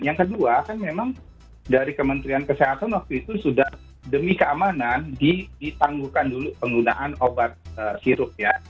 yang kedua kan memang dari kementerian kesehatan waktu itu sudah demi keamanan ditangguhkan dulu penggunaan obat sirup ya